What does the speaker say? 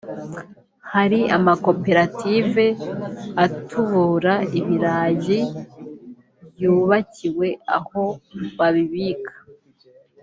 hari amakoperative atubura ibirayi yubakiwe aho babibika